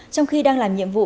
trong khi đang làm nhiệm vụ